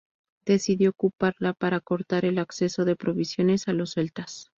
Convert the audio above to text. Decidió ocuparla para cortar el acceso de provisiones a los celtas.